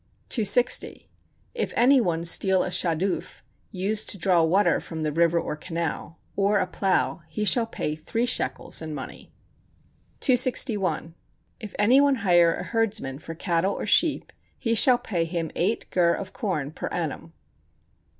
260. If any one steal a shadduf [used to draw water from the river or canal] or a plow, he shall pay three shekels in money. 261. If any one hire a herdsman for cattle or sheep, he shall pay him eight gur of corn per annum.